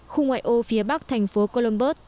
khu ngoại ô phía bắc thành phố colorado